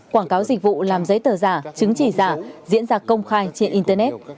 các dịch vụ làm giấy tờ giả chứng chỉ giả diễn ra công khai trên internet